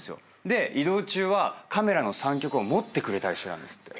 で移動中はカメラの三脚を持ってくれたりしてたんですって。